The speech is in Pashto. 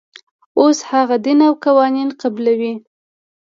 اوس هغه دین او قوانین قبلوي.